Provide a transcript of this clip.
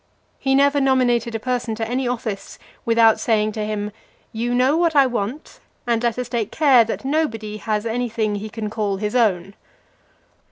He never nominated a person to any office without saying to him, "You know what I want; and let us take care that nobody has any thing he can call his own."